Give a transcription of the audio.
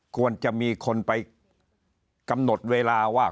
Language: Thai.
ควรจะมีคนไปกำหนดเวลาว่า